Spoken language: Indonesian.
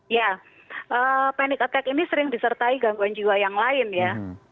ya panic attack ini sering disertai gangguan jiwa yang lain ya